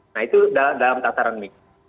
nah itu dalam tasaran ini